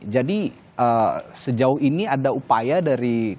jadi sejauh ini ada upaya dari keputusan